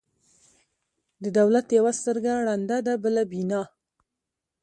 د دولت یوه سترګه ړنده ده، بله بینا.